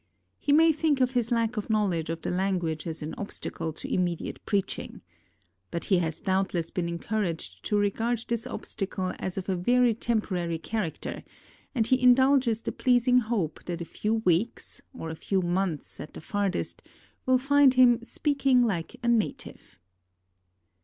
He may think of his lack of knowledge of the language as an obstacle to immediate preaching. But he has doubtless been encouraged to regard this obstacle as of a very temporary character, and he in dulges the pleasing hope that a few weeks, or a few months at the farthest, will find him "speaking like a native."